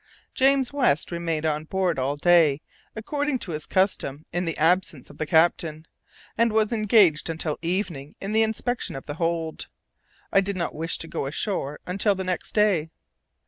James West remained on board all day, according to his custom in the absence of the captain, and was engaged until evening in the inspection of the hold. I did not wish to go ashore until the next day.